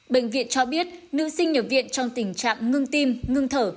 bệnh viện cho biết nữ sinh nhập viện trong tình trạng ngưng tim ngưng thở